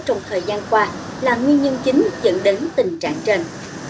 trong thời gian qua là nguyên nhân chính dẫn đến tình trạng trên